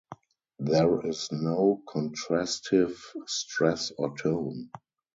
There is no contrastive stress or tone.